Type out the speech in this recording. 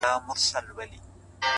• زه تر مور او پلار پر ټولو مهربان یم,